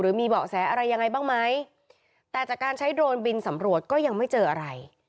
มีเบาะแสอะไรยังไงบ้างไหมแต่จากการใช้โดรนบินสำรวจก็ยังไม่เจออะไร